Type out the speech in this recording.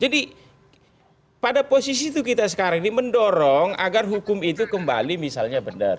jadi pada posisi itu kita sekarang ini mendorong agar hukum itu kembali misalnya benar